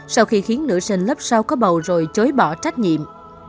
sau khi khiến nữ sinh lớp sau có bầu rồi chối bỏ trách nhiệm